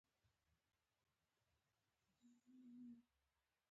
د احمد زړه يې د ډالۍ په ورکولو پورته کړ.